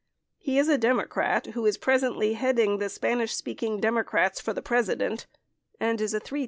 He is a Democrat who is presently heading the Spanish speaking Democrats for the President and is a three time 17 Exhibit No.